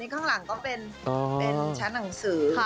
ข้างหลังก็เป็นชั้นหนังสือ